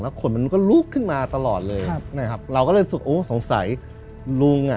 แล้วขนมันก็ลุกขึ้นมาตลอดเลยครับนะครับเราก็เลยสงสัยลุงอ่ะ